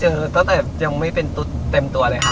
ใช่เจอตั้งแต่ยังไม่เป็นตุ่นเต็มตัวเลยฮะ